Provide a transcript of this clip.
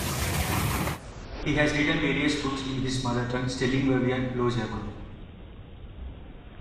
He has written various books in his mother tongue Stellingwervian Low German.